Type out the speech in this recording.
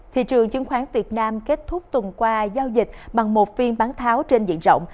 thị trường chứng khoán việt nam kết thúc tuần qua giao dịch bằng một phiên bán tháo trên diện rộng